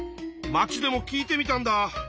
まちでも聞いてみたんだ。